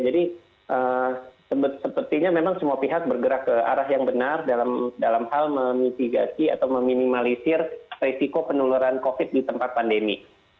jadi sepertinya memang semua pihak bergerak ke arah yang benar dalam hal memitigasi atau meminimalisir risiko penularan covid di tempat pandemi